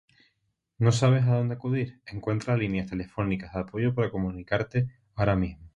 ¿No sabes a dónde acudir? Encuentra líneas telefónicas de apoyo para comunicarte ahora mismo.